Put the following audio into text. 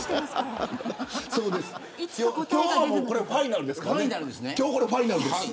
今日はこれファイナルですから。